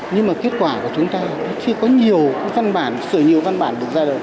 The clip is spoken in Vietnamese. nhưng mà kết quả của chúng ta thì chưa có nhiều cái văn bản sửa nhiều văn bản được ra đâu